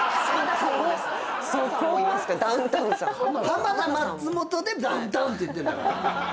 浜田松本でダウンタウンって言ってる。